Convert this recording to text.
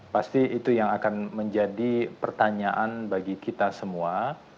pasti itu yang akan menjadi pertanyaan bagi kita semua